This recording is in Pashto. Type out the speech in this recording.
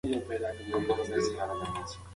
د فقر کچه د ټولنپوهني له لارې معلومه سوې ده.